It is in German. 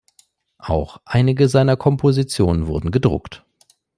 Auch einige seiner Kompositionen wurden gedruckt.